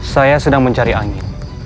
saya sedang mencari angin